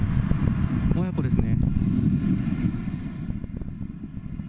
親子ですね。